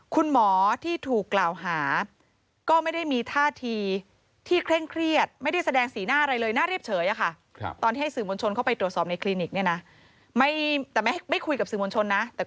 คุณหมอที่ถูกกล่าวหาก็ไม่ได้มีท่าทีที่เคร่งเครียดไม่ได้แสดงสีหน้าอะไรเลยหน้าเรียบเฉยอะค่ะตอนที่สื่อมวลชนเข้าไปตรวจสอบในคลินิกเนี่ยนะแต่